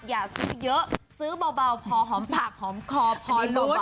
อย่าซื้อเยอะซื้อเบาพอหอมผักหอมคอพอล้น